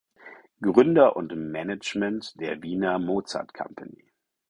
Gründer und Management der Wiener Mozart Company.